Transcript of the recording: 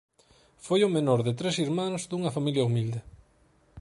Foi o menor de tres irmáns dunha familia humilde.